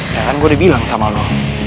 ya kan gue udah bilang sama lo